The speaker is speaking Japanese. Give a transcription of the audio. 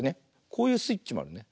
こういうスイッチもあるね。